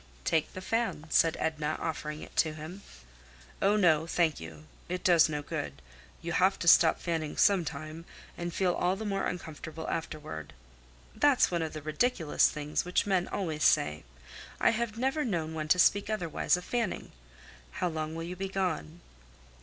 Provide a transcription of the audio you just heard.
"Take the fan," said Edna, offering it to him. "Oh, no! Thank you. It does no good; you have to stop fanning some time, and feel all the more uncomfortable afterward." "That's one of the ridiculous things which men always say. I have never known one to speak otherwise of fanning. How long will you be gone?"